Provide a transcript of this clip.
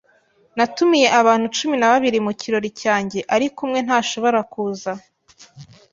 Natumiye abantu cumi na babiri mu kirori cyanjye, ariko umwe ntashobora kuza.